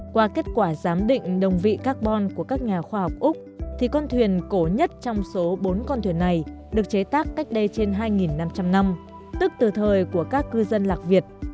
qua kết quả giám định đồng vị carbon của các nhà khoa học úc thì con thuyền cổ nhất trong số bốn con thuyền này được chế tác cách đây trên hai năm trăm linh năm tức từ thời của các cư dân lạc việt